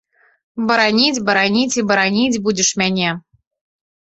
Бараніць, бараніць і бараніць будзеш мяне.